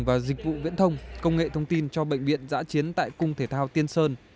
và dịch vụ viễn thông công nghệ thông tin cho bệnh viện giã chiến tại cung thể thao tiên sơn